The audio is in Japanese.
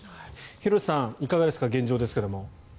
廣瀬さん、いかがですか現状ですけども。